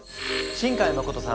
新海誠さん。